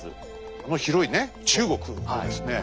あの広いね中国をですね